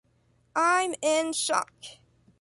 I’m in shock.